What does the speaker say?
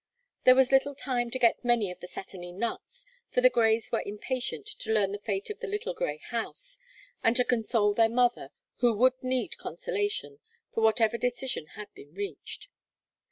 There was little time to get many of the satiny nuts, for the Greys were impatient to learn the fate of the little grey house, and to console their mother, who would need consolation for whatever decision had been reached.